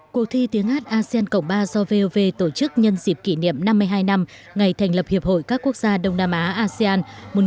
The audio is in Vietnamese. cuộc thi tiếng hát asean cộng ba do vov tổ chức nhân dịp kỷ niệm năm mươi hai năm ngày thành lập hiệp hội các quốc gia đông nam á asean một nghìn chín trăm sáu mươi bảy hai nghìn một mươi chín